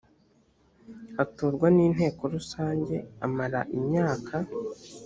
atorwa n’inteko rusange amara imyaka